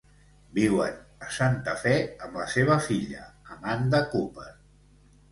Viuen a Santa Fe amb la seva filla, Amanda Cooper.